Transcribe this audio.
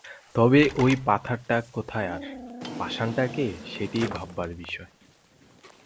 তবে ঐ পাথারটা কোথায় আর পাষাণটা কে সেইটেই ভাববার বিষয়।